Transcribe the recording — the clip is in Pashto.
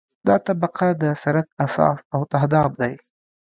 دا طبقه د سرک اساس او تهداب دی